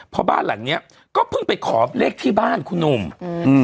เพราะบ้านหลังเนี้ยก็เพิ่งไปขอเลขที่บ้านคุณหนุ่มอืม